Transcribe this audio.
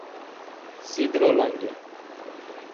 Sidrolândia